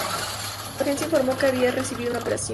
Su agencia informó que había recibido una operación.